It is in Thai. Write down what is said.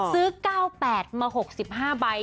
ซื้อ๙๘มา๖๕ใบ